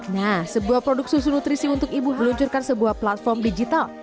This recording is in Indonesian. nah sebuah produk susu nutrisi untuk ibu meluncurkan sebuah platform digital